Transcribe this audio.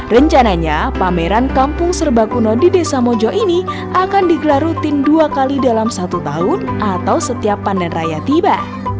rencananya pameran kampung serba kuno di desa mojo ini akan digelar rutin dua kali dalam satu tahun atau setiap pandan raya tiba